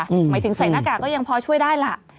หมายถึงใส่หน้ากากก็ยังพอช่วยได้ล่ะ